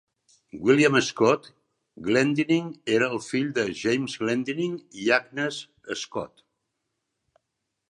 William Scott Glendinning era el fill de James Glendinning i Agnes Scott.